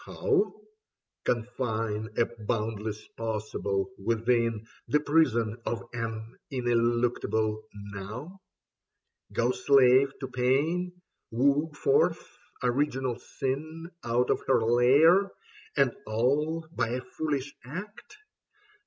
How ? Confine a boundless possible within The prison of an ineluctable Now ? Go slave to pain, woo forth original sin Out of her lair — and all by a foolish Act